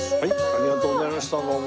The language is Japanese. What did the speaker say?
ありがとうございましたどうも。